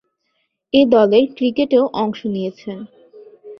এ-দলের ক্রিকেটেও অংশ নিয়েছেন।